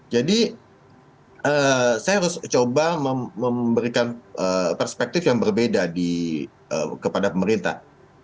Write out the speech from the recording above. jadi saya harus coba memberikan perspektif yang berbeda kepada pemerintah